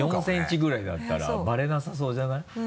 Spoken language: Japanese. ４センチぐらいだったらバレなさそうじゃない？